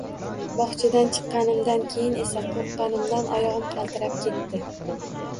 Bog`chadan chiqqanimdan keyin esa qo`rqqanimdan oyog`im qaltirab ketdi